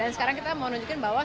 dan sekarang kita mau nunjukin bahwa